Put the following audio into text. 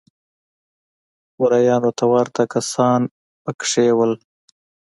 مریانو ته ورته کسان په کې وو